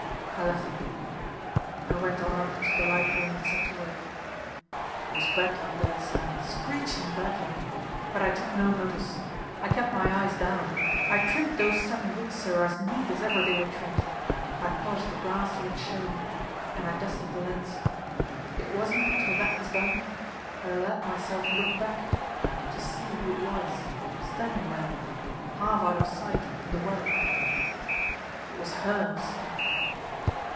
I left it be; I went on up to the light room and set to work. It was Bedlam there, sir, screeching Bedlam, but I took no notice. I kept my eyes down. I trimmed those seven wicks, sir, as neat as ever they were trimmed; I polished the brass till it shone, and I dusted the lens. It wasn't till that was done that I let myself look back to see who it was standing there, half out of sight in the well. It was her, sir.